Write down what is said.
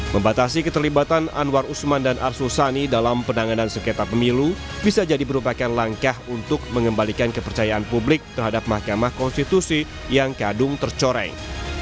membatasi keterlibatan anwar usman dan arsul sani dalam penanganan sengketa pemilu bisa jadi merupakan langkah untuk mengembalikan kepercayaan publik terhadap mahkamah konstitusi yang kadung tercoreng